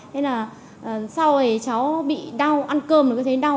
thế là sau cháu bị đau ăn cơm rồi cứ thấy đau